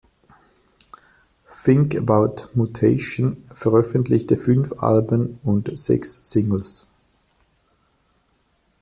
Think About Mutation veröffentlichte fünf Alben und sechs Singles.